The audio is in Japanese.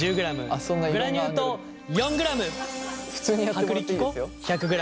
薄力粉１００ｇ。